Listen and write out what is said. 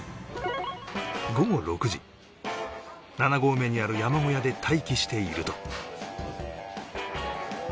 午後６時７合目にある山小屋で待機していると